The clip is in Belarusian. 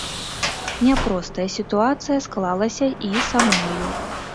Няпростая сітуацыя склалася і са мною.